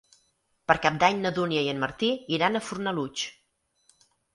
Per Cap d'Any na Dúnia i en Martí iran a Fornalutx.